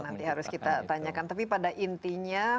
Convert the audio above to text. nanti harus kita tanyakan tapi pada intinya